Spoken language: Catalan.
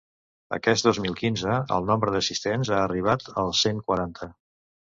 Aquest dos mil quinze, el nombre d’assistents ha arribat als cent quaranta.